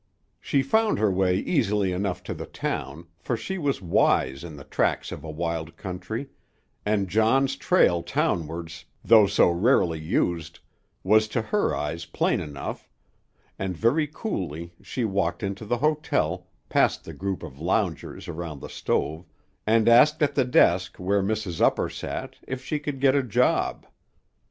She found her way easily enough to the town, for she was wise in the tracks of a wild country, and John's trail townwards, though so rarely used, was to her eyes plain enough; and very coolly she walked into the hotel, past the group of loungers around the stove, and asked at the desk, where Mrs. Upper sat, if she could get a job.